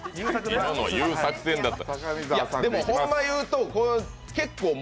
今のは言う作戦やった。